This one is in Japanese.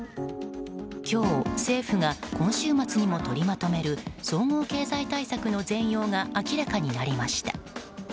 今日、政府が今週末にも取りまとめる総合経済対策の全容が明らかになりました。